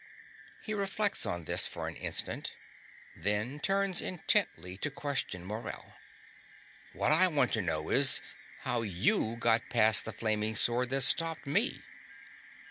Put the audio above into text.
(He reflects on this for an instant; then turns intently to question Morell.) What I want to know is how you got past the flaming sword that stopped me.